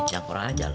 jangan kurang aja lo